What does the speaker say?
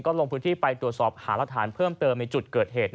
ลงพื้นที่ไปตรวจสอบหารักฐานเพิ่มเติมในจุดเกิดเหตุ